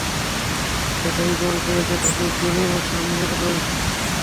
ঐটাই করবে, যেটাতে দুনিয়া সামনে এগোয়।